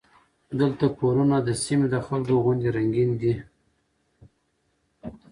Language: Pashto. دلته کورونه د سیمې د خلکو غوندې رنګین دي.